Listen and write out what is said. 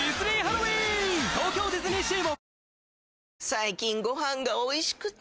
最近ご飯がおいしくて！